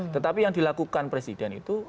tetapi yang dilakukan presiden itu